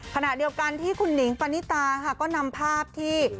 ขณะเดียวกันคุณนิ้งพันนีตาร์ก็นำภาพที่